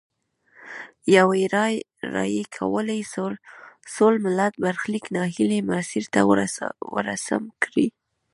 یوي رایې کولای سول ملت برخلیک نا هیلي مسیر ته ورسم کړي.